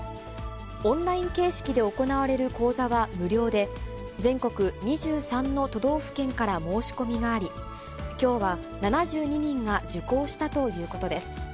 オンライン形式で行われる講座は無料で、全国２３の都道府県から申し込みがあり、きょうは７２人が受講したということです。